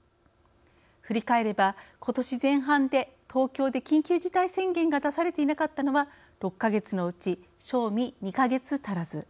振り返れば、ことし前半で東京で緊急事態宣言が出されていなかったのは６か月のうち、正味２か月足らず。